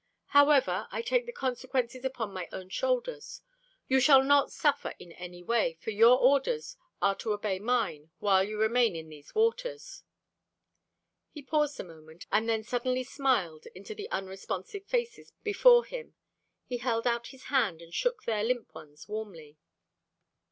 However, I take the consequences upon my own shoulders. You shall not suffer in any way, for your orders are to obey mine while you remain in these waters." He paused a moment, and then suddenly smiled into the unresponsive faces before him. He held out his hand and shook their limp ones warmly.